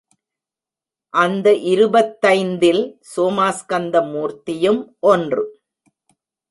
அந்த இருபத்தைந்தில் சோமாஸ்கந்த மூர்த்தமும் ஒன்று.